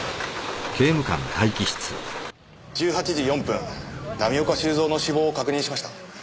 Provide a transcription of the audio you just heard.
１８時４分浪岡収造の死亡を確認しました。